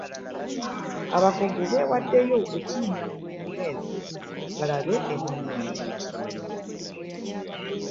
Abakugu bewaddeyo okulinnya ku mweezi balabe emunyeenye.